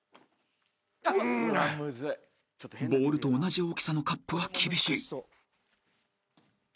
［ボールと同じ大きさのカップは厳しい］